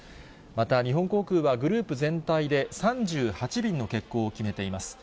また、日本航空はグループ全体で３８便の欠航を決めています。